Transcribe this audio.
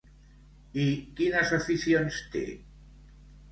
I quines aficions té?